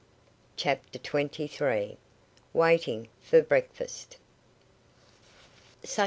CHAPTER TWENTY THREE. WAITING FOR BREAKFAST.